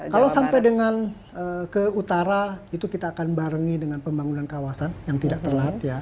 kalau sampai dengan ke utara itu kita akan barengi dengan pembangunan kawasan yang tidak terlihat ya